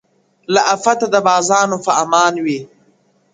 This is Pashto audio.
• له آفته د بازانو په امان وي ,